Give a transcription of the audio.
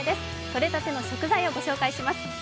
とれたての食材を御紹介します。